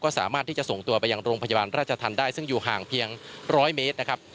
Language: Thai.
สามารถที่จะส่งตัวไปยังโรงพยาบาลราชธรรมได้ซึ่งอยู่ห่างเพียงร้อยเมตรนะครับ